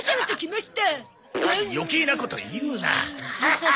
余計なこと言うな。